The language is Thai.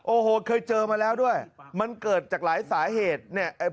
โอ้โหเคยเจอมาแล้วด้วยมันเกิดจากหลายสาเหตุเนี่ย